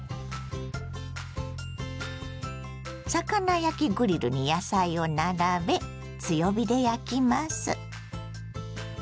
魚焼きグリルに野菜を並べ強火で焼きます。